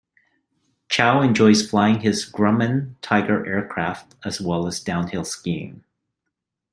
Chiao enjoys flying his Grumman Tiger aircraft, as well as downhill skiing.